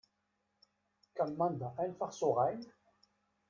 Kann man da einfach so rein?